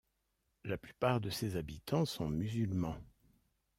La plupart de ses habitants sont musulmans.